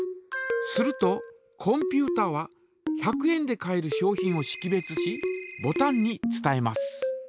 するとコンピュータは１００円で買える商品をしき別しボタンに伝えます。